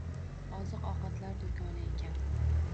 Oziq- ovqatlar doʻkoni ekan